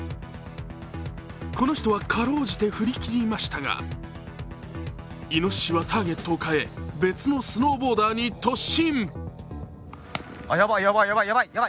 この人はかろうじて振り切りましたがいのししはターゲットを変え別のスノーボーダーに突進。